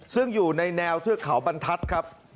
ซึ่งอยู่ในแนวเทือกเขาบรรทัศน์ครับ